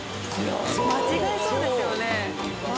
間違えそうですよね。